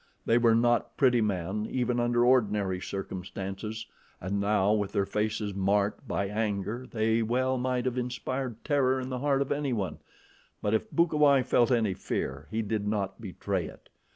They were not pretty men even under ordinary circumstances, and now, with their faces marked by anger, they well might have inspired terror in the heart of anyone; but if Bukawai felt any fear, he did not betray it.